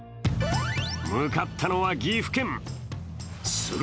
向かったのは、岐阜県。